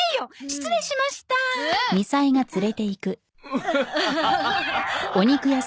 アハハハハ。